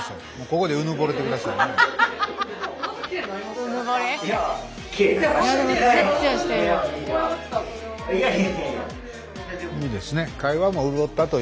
ここでうぬぼれてくださいね。